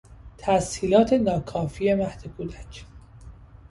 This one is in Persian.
تسهیلات ناکافی مهد کودک